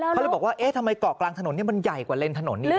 เขาเลยบอกว่าเอ๊ะทำไมเกาะกลางถนนมันใหญ่กว่าเลนถนนนี่